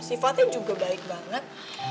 sifatnya juga baik banget